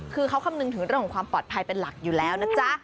คือเขาคำนึงถึงเรื่องของความปลอดภัยเป็นหลักอยู่แล้วนะจ๊ะ